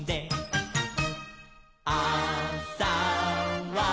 「あさは」